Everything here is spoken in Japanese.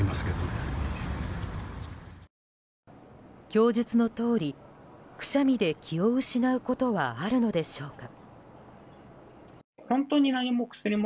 供述のとおりくしゃみで気を失うことはあるのでしょうか。